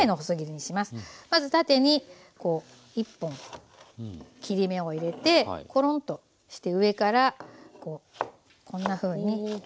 まず縦にこう１本切り目を入れてコロンとして上からこうこんなふうに斜めに切っていきます。